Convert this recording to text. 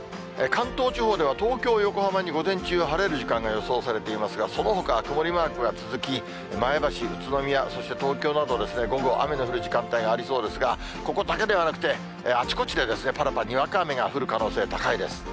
関東地方では、東京、横浜に午前中、晴れる時間が予想されていますが、そのほかは曇りマークが続き、前橋、宇都宮、そして東京などは午後、雨の降る時間帯がありそうですが、ここだけではなくて、あちこちで、ぱらぱらにわか雨が降る可能性高いです。